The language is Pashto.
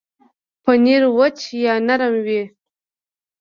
پنېر وچ یا نرم وي.